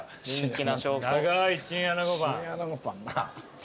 長いチンアナゴパン。